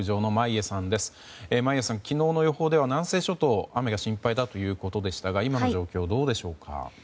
眞家さん昨日の予報では南西諸島雨が心配だということでしたが今の状況、どうでしょうか？